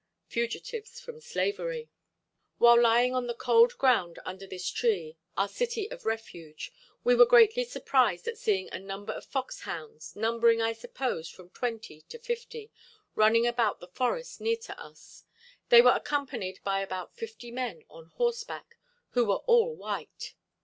Fugitives from slavery. While lying on the cold ground under this tree, our "city of refuge," we were greatly surprised at seeing a number of fox hounds, numbering, I suppose, from twenty to fifty, running about the forest near to us. They were accompanied by about fifty men on horseback, who were all white.